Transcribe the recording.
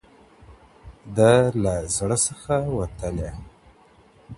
ده لـه زړه څخـه وتــلـې